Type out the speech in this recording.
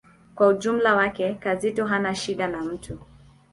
Kwa ujumla wake, Kizito hana shida na mtu.